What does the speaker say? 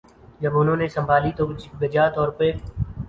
جب انہوں نے سنبھالی تو بجا طور پہ